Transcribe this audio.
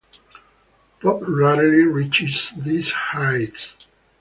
Pop rarely reaches these heights.